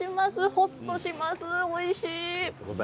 ほっとします、おいしい。